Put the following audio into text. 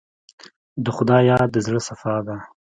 د خدای یاد د زړه صفا ده.